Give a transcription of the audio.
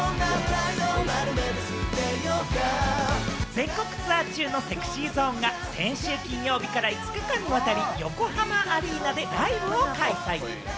全国ツアー中のＳｅｘｙＺｏｎｅが、先週金曜日から５日間にわたり、横浜アリーナでライブを開催。